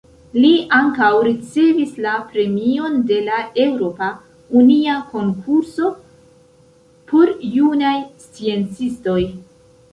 Li ankaŭ ricevis la Premion de la Eŭropa Unia Konkurso por Junaj Sciencistoj.